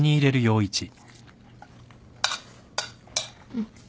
うん。